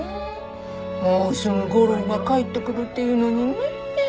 もうすぐ吾良が帰ってくるっていうのにねえ。